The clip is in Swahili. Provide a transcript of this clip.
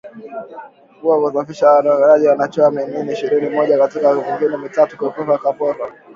kuwa kufikia sasa waokoaji wamechukua miili ishirini na moja kutoka Mbale na mingine mitatu kutoka Kapchorwa